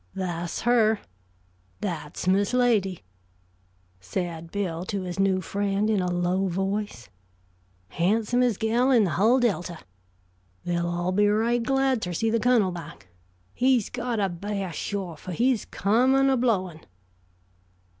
"That's her. That's Miss Lady," said Bill to his new friend, in a low voice. "Han'somest gal in the hull Delta. They'll all be right glad ter see the Cunnel back. He's got a b'ah shore, fer he's comin' a blowin'."